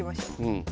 うん。